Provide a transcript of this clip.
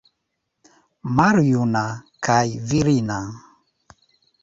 Maljuna, kaj virina.